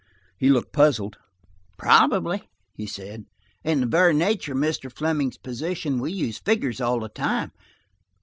He looked puzzled. "Probably," he said. "In the very nature of Mr. Fleming's position, we used figures all the time.